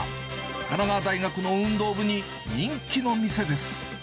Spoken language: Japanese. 神奈川大学の運動部に人気の店です。